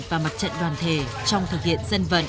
và mặt trận đoàn thể trong thực hiện dân vận